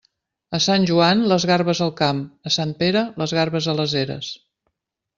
A Sant Joan, les garbes al camp; a Sant Pere, les garbes a les eres.